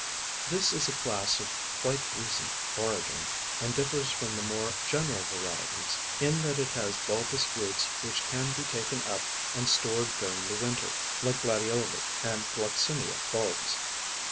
This is a class of quite recent origin, and differs from the more general varieties, in that it has bulbous roots which can be taken up and stored during the winter like Gladioli and Gloxinia bulbs.